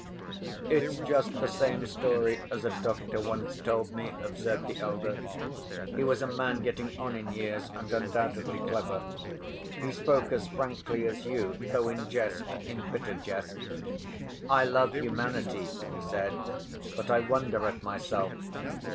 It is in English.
"It's just the same story as a doctor once told me," observed the elder. "He was a man getting on in years, and undoubtedly clever. He spoke as frankly as you, though in jest, in bitter jest. 'I love humanity,' he said, 'but I wonder at myself.